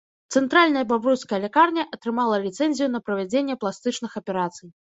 Цэнтральная бабруйская лякарня атрымала ліцэнзію на правядзенне пластычных аперацый.